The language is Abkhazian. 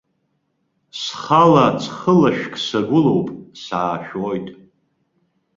Схала ҵхылашәк сагәылоуп, саашәоит.